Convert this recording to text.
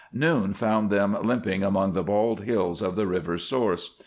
Noon found them limping among the bald hills of the river's source.